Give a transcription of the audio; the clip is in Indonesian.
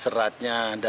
serikaya klengkeng pintar